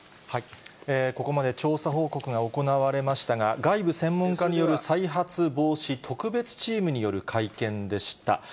ここまで調査報告が行われましたが、外部専門家による再発防止特別チームによる会見でした。